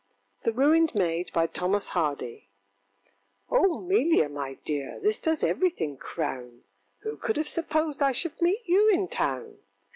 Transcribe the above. THE RUINED MAID ŌĆ£O ŌĆÖMelia, my dear, this does everything crown! Who could have supposed I should meet you in Town?